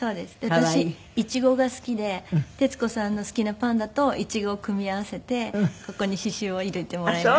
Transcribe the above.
私イチゴが好きで徹子さんの好きなパンダとイチゴを組み合わせてここに刺繍を入れてもらいました。